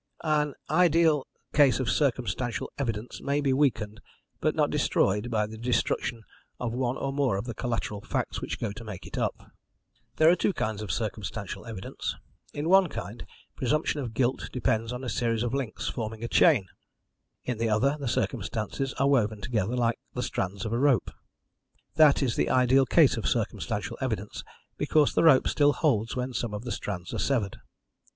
"An ideal case of circumstantial evidence may be weakened, but not destroyed, by the destruction of one or more of the collateral facts which go to make it up. There are two kinds of circumstantial evidence. In one kind presumption of guilt depends on a series of links forming a chain. In the other, the circumstances are woven together like the strands of a rope. That is the ideal case of circumstantial evidence, because the rope still holds when some of the strands are severed.